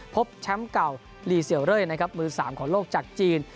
พบแชมป์เก่าลีเซียวเร่นะครับมือ๓ของโลกจากจีน